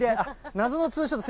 謎のツーショット。